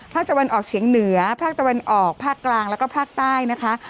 ภาคตะวันออกเฉียงเหนือภาคตะวันออกภาคกลางแล้วก็ภาคใต้นะคะ